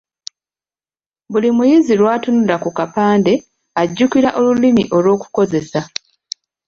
Buli muyizi lw’atunula ku kapande ajjukira Olulimi olw’okukozesa.